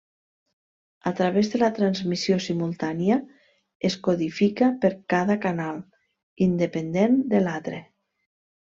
A través de la transmissió simultània, es codifica per cada canal, independent de l'altre.